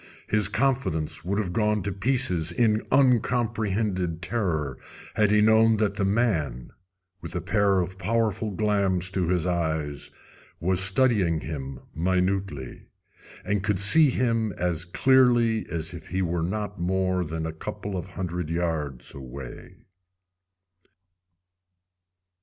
His confidence would have gone to pieces in uncomprehended terror had he known that the man, with a pair of powerful glams to his eyes, was studying him minutely, and could see him as clearly as if he were not more than a couple of hundred yards away.